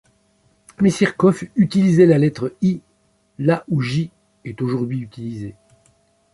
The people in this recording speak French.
Misirkov utilisait la lettre І là où Ј est aujourd'hui utilisée.